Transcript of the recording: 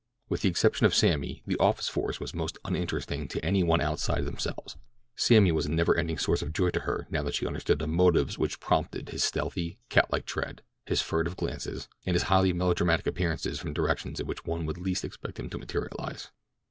With the exception of Sammy, the office force was most uninteresting to any one outside themselves. Sammy was a never ending source of joy to her now that she understood the motives which prompted his stealthy, catlike tread, his furtive glances, and his highly melodramatic appearances from directions in which one would least expect him to materialize.